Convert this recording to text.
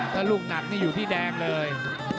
ถ้าลูกหนักนี่อยู่ที่แดงเลย